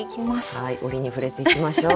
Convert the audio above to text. はい折に触れていきましょう。